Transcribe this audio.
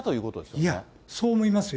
いや、そう思いますよ。